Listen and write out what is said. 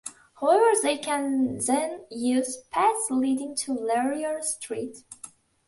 However, they can then use paths leading to Laurier Street.